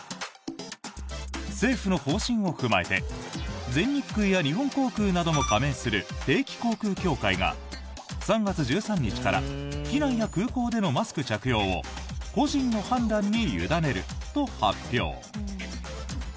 政府の方針を踏まえて全日空や日本航空なども加盟する定期航空協会が３月１３日から機内や空港でのマスク着用を個人の判断に委ねると発表。